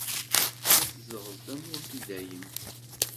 Ad tzedɣeḍ tamurt i dayem.